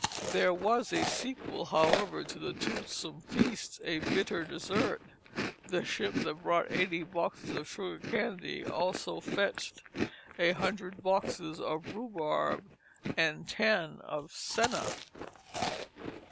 There was a sequel, however, to the toothsome feast, a bitter dessert. The ship that brought eighty boxes of sugar candy also fetched a hundred boxes of rhubarb and ten of senna.